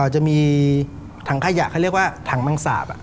จะมีถังขยะเขาเรียกว่าถังมังสาบ